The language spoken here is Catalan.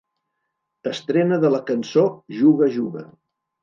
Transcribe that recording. Estrena de la cançó ‘Juga, juga!’